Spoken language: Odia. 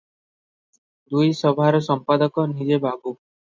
ଦୁଇ ସଭାର ସମ୍ପାଦକ ନିଜେ ବାବୁ ।